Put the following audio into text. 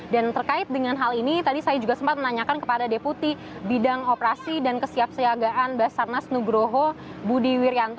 dan terkait dengan hal ini tadi saya juga sempat menanyakan kepada deputi bidang operasi dan kesiap seagaan basarnas nugroho budi wiryanto